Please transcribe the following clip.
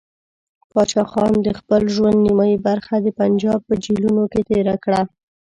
پاچا خان د خپل ژوند نیمایي برخه د پنجاب په جیلونو کې تېره کړه.